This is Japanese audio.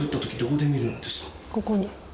ここに。